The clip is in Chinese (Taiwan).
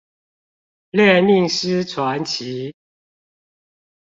獵命師傳奇